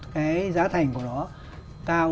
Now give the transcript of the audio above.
cái giá thành của nó cao